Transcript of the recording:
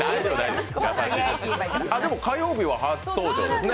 でも火曜日は初登場ですね。